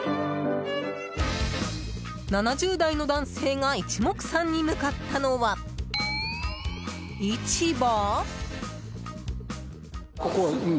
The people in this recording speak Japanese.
７０代の男性が一目散に向かったのは、市場？